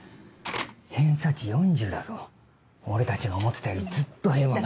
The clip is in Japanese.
偏差値４０だぞ俺たちが思ってたよりずっと平凡だ。